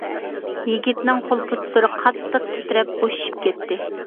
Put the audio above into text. يىگىتنىڭ قول-پۇتلىرى قاتتىق تىترەپ بوشىشىپ كەتتى.